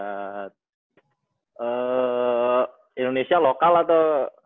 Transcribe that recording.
eh indonesia lokal atau